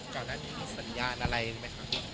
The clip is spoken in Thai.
ก่อนหน้านี้มีสัญญาณอะไรไหมคะ